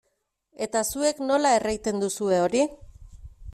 Eta zuek nola erraiten duzue hori?